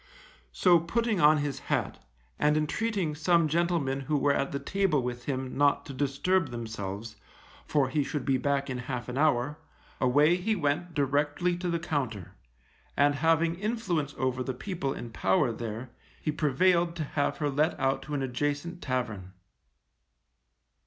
So putting on his hat, and entreating some gentlemen who were at the table with him not to disturb themselves, for he should be back in half an hour, away he went directly to the Compter. And having influence over the people in power there, he prevailed to have her let out to an adjacent tavern.